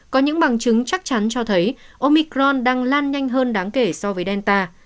có những bằng chứng chắc chắn cho thấy omicron đang lan nhanh hơn đáng kể so với delta